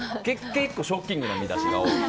結構ショッキングな見出しが多い。